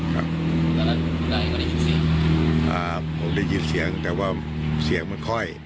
ตอนนั้นก็ได้ยินเสียงอ่าผมได้ยินเสียงแต่ว่าเสียงมันค่อย